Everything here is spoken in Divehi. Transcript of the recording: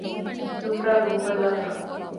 ޒުމްރާ ދޫކޮއްލާފަ